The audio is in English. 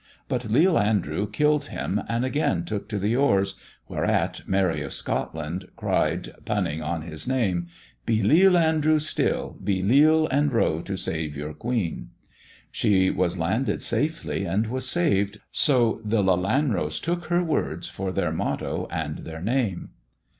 But Leal Andrew killed him and again took to the oars, whereat Mary of Scotland cried, punning on his name, * Be Leal Andrew still — be leal and row to save your Queen.' She was landed safely and was saved, so the Lelanros took her words for their motto and their name."